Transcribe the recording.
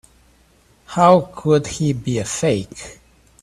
How could he be a fake?